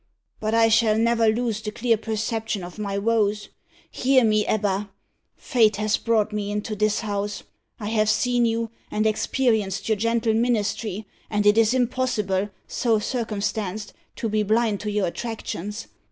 But I shall never lose the clear perception of my woes. Hear me, Ebba! Fate has brought me into this house. I have seen you, and experienced your gentle ministry; and it is impossible, so circumstanced, to be blind to your attractions.